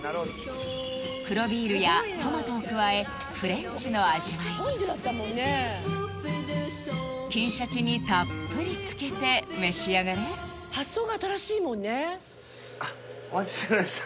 黒ビールやトマトを加えフレンチの味わいに金シャチにたっぷりつけて召し上がれあっお待ちしておりました